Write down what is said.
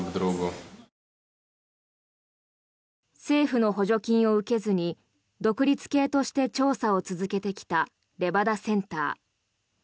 政府の補助金を受けずに独立系として調査を続けてきたレバダセンター。